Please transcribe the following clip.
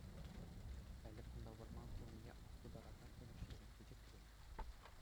Ӗлӗк кунта вӑрман пулнине астутаракан улмуҫҫисем чечекре.